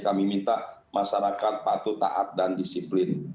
kami minta masyarakat patuh taat dan disiplin